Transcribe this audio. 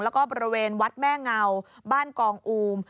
แล้วก็บริเวณวัดแม่เงาบ้านกองอูม